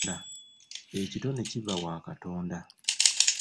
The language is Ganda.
Ekitone kiva wa Katonda.